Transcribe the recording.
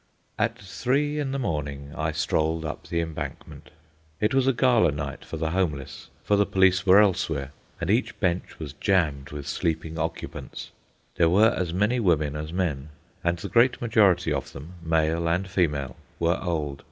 At three in the morning I strolled up the Embankment. It was a gala night for the homeless, for the police were elsewhere; and each bench was jammed with sleeping occupants. There were as many women as men, and the great majority of them, male and female, were old.